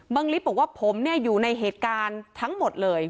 ลิฟต์บอกว่าผมอยู่ในเหตุการณ์ทั้งหมดเลย